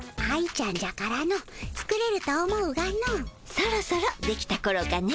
そろそろできたころかね。